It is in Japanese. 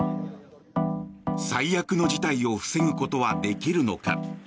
最悪の事態を防ぐことはできるのか。